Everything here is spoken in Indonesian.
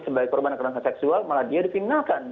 sebagai korban akar seksual malah dia dipimnalkan